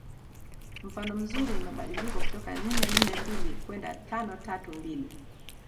Mfano mzuri ni mabadiliko kutoka nne nne mbili kwenda tano tatu mbili